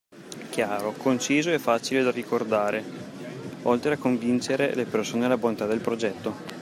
Chiaro, conciso e facile da ricordare oltre che convincere le persone della bontà del progetto.